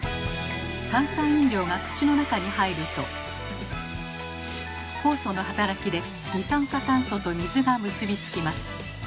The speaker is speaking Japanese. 炭酸飲料が口の中に入ると酵素の働きで二酸化炭素と水が結び付きます。